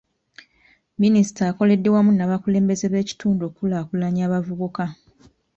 Minisita akoledde wamu n'abakulembeze b'ekitundu okukulaakulanya abavubuka.